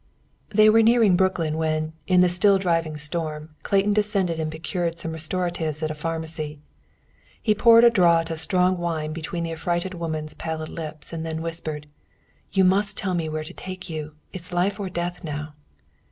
They were nearing Brooklyn when, in the still driving storm, Clayton descended and procured some restoratives at a pharmacy. He poured a draught of strong wine between the affrighted woman's pallid lips, and then whispered, "You must tell me where to take you. It is life or death now."